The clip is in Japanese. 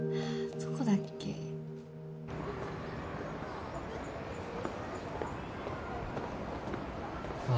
どこだっけあ